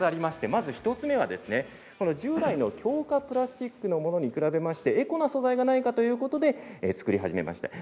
まず１つ目は従来の強化プラスチックのものに比べましてエコな素材がないかということで作り始めました。